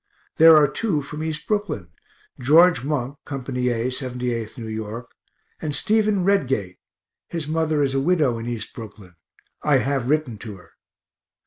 There are two from East Brooklyn; George Monk, Co. A, 78th N. Y., and Stephen Redgate (his mother is a widow in East Brooklyn I have written to her).